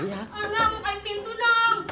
olga bukain pintu dong